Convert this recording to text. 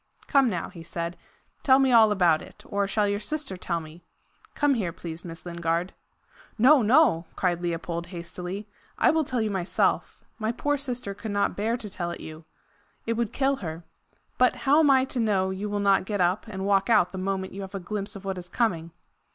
"Come now," he said, "tell me all about it. Or shall your sister tell me? Come here, please, Miss Lingard." "No, no!" cried Leopold hastily; "I will tell you myself. My poor sister could not bear to tell it you. It would kill her. But how am I to know you will not get up and walk out the moment you have a glimpse of what is coming?"